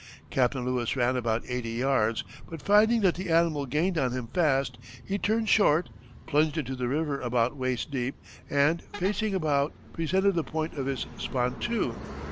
Captain Lewis ran about eighty yards, but finding that the animal gained on him fast ... he turned short, plunged into the river about waist deep, and facing about presented the point of his spontoon.